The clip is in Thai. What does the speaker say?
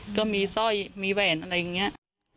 ก็มีสร้อยมีแหวนอะไรอย่างนี้